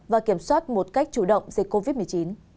và kiểm soát một cách chủ động dịch covid một mươi chín